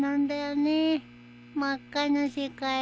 真っ赤な世界。